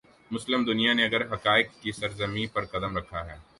مسلم دنیا نے اگر حقائق کی سرزمین پر قدم رکھا ہے۔